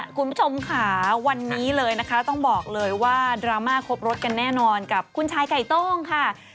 คุณผู้ชมค่ะวันนี้เลยนะคะต้องบอกเลยว่าดราม่าครบรถกันแน่นอนกับคุณชายไก่โต้งค่ะ